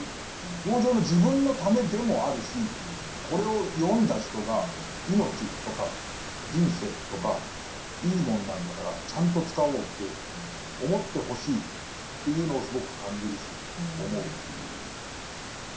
北條の自分のためでもあるしこれを読んだ人が命とか人生とかいいもんなんだからちゃんと使おうって思ってほしいっていうのをすごく感じるし思うっていう。